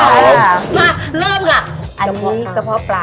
อันนี้กระเพราะปลาค่ะ